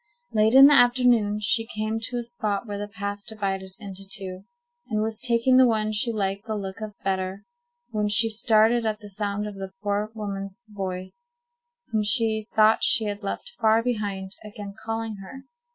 Late in the afternoon she came to a spot where the path divided into two, and was taking the one she liked the look of better, when she started at the sound of the poor woman's voice, whom she thought she had left far behind, again calling her.